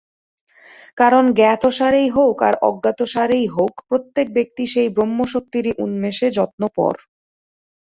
কারণ জ্ঞাতসারেই হউক আর অজ্ঞাতসারেই হউক, প্রত্যেক ব্যক্তি সেই ব্রহ্মশক্তিরই উন্মেষে যত্নপর।